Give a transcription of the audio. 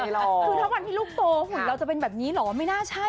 คือถ้าวันที่ลูกโตหุ่นเราจะเป็นแบบนี้เหรอไม่น่าใช่